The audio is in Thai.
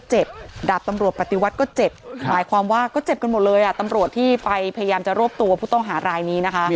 หมายความว่าก็เจ็บกันหมดเลยอะตำรวจที่ไปพยายามจะรวบตัวผู้ต้องฮารายนี้นะคะ